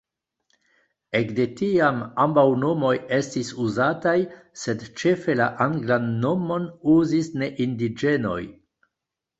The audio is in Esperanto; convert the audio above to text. Ekde tiam ambaŭ nomoj estis uzataj, sed ĉefe la anglan nomon uzis ne-indiĝenoj.